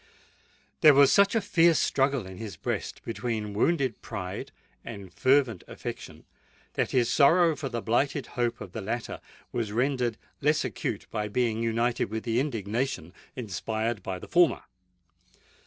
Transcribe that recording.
There was such a fierce struggle in his breast between wounded pride and fervent affection, that his sorrow for the blighted hope of the latter was rendered less acute by being united with the indignation inspired by the former.